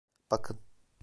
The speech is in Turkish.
Bakın.